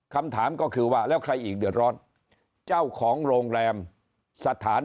คำถามก็คือว่าแล้วใครอีกเดือดร้อนเจ้าของโรงแรมสถาน